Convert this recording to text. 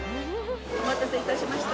おまたせいたしました。